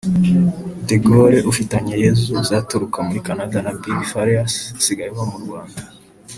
Degaule Ufiteyezu uzaturuka muri Canada na Big Farious usigaye aba mu Rwanda